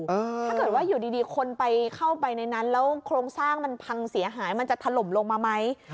ถ้าเกิดว่าอยู่ดีคนไปเข้าไปในนั้นแล้วโครงสร้างมันพังเสียหายมันจะถล่มลงมาไหม